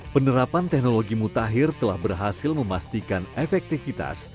penerapan teknologi mutakhir telah berhasil memastikan efektivitas